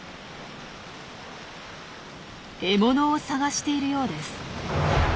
獲物を探しているようです。